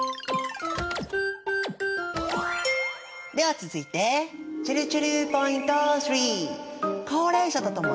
では続いてちぇるちぇるポイント３！